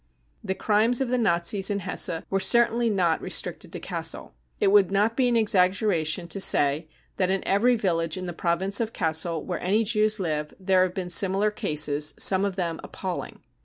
The crimes of the Nazis in Hesse were certainly not restricted to Cassel. It would not be an exaggeration to say that in every village in the province of Gassel where any Jews live, there have been similar cases, some of them appalling.